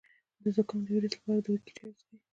د زکام د ویروس لپاره د هوږې چای وڅښئ